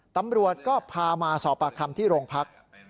ตำรวจก็พามาสอบปากคำที่โรงพัก